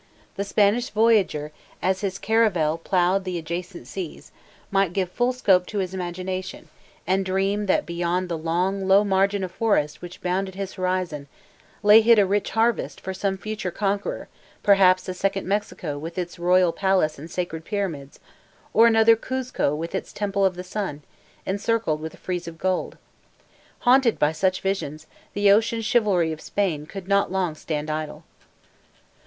The Spanish voyager, as his caravel ploughed the adjacent seas, might give full scope to his imagination, and dream that beyond the long, low margin of forest which bounded his horizon lay hid a rich harvest for some future conqueror; perhaps a second Mexico with its royal palace and sacred pyramids, or another Cuzco with its temple of the Sun, encircled with a frieze of gold. Haunted by such visions, the ocean chivalry of Spain could not long stand idle.